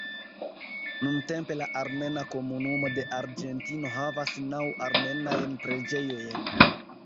Nuntempe la armena komunumo de Argentino havas naŭ armenajn preĝejojn.